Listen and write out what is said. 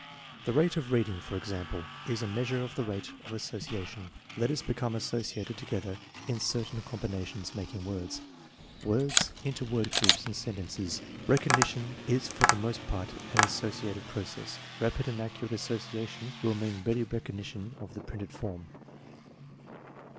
The rate of reading, for example, is a measure of the rate of association. Letters become associated together in cer tain combinations making words, words into word groups and sentences. Recognition is for the most part an asso ciative process. Rapid and accurate association will mean ready recognition of the printed form.